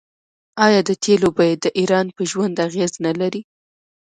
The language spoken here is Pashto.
آیا د تیلو بیه د ایران په ژوند اغیز نلري؟